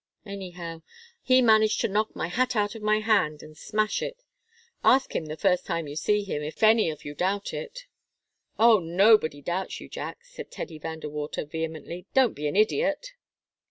Anyhow, he managed to knock my hat out of my hand and smash it ask him the first time you see him, if any of you doubt it." "Oh, nobody doubts you, Jack," said Teddy Van De Water, vehemently. "Don't be an idiot!"